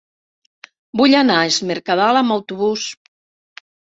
Vull anar a Es Mercadal amb autobús.